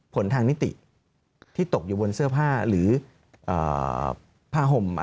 ผลทางนิติที่ตกอยู่บนเสื้อผ้าหรือผ้าห่มอะไรก็แล้วแต่